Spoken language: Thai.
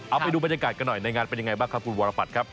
เอาไปดูบรรยากาศกันหน่อยในงานเป็นยังไงบ้างครับคุณวรปัตรครับ